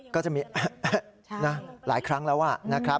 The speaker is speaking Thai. ก็จะมีหลายครั้งแล้วนะครับ